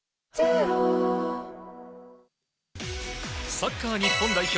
サッカー日本代表